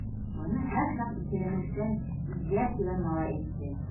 - Быны һәр саҡ икеләнеүсән Изя тигән малай әйтте.